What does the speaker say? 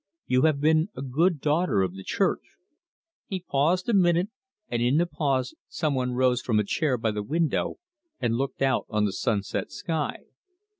"You have been a good daughter of the Church." He paused a minute, and in the pause some one rose from a chair by the window and looked out on the sunset sky.